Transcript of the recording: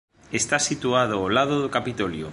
Está situado ó lado do Capitolio.